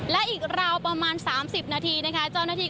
และอีกราวประมาณ๓๐นาที